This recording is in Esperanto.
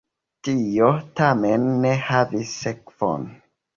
Tio tamen ne havis sekvon.